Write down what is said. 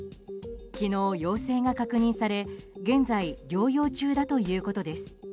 昨日、陽性が確認され現在、療養中だということです。